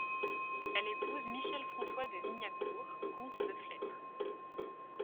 Elle épouse Michel François de Wignacourt, comte de Flêtre.